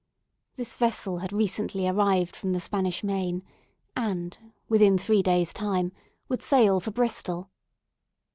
This vessel had recently arrived from the Spanish Main, and within three days' time would sail for Bristol.